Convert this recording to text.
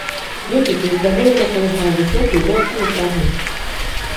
Ветрык нездаволена калыхаў высокую росную траву.